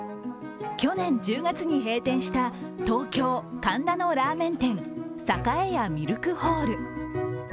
去年１０月に閉店した東京・神田のラーメン店、栄屋ミルクホール。